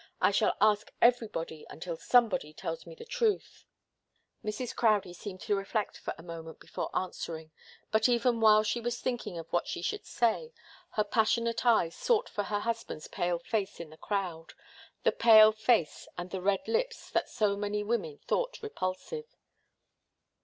I shall ask everybody until somebody tells me the truth." Mrs. Crowdie seemed to reflect for a moment before answering, but even while she was thinking of what she should say, her passionate eyes sought for her husband's pale face in the crowd the pale face and the red lips that so many women thought repulsive.